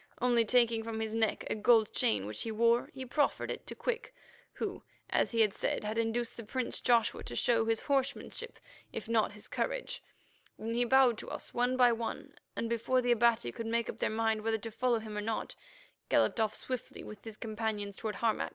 Only, taking from his neck a gold chain which he wore, he proffered it to Quick, who, as he said, had induced the prince Joshua to show his horsemanship if not his courage. Then he bowed to us, one by one, and before the Abati could make up their mind whether to follow him or not, galloped off swiftly with his companions toward Harmac.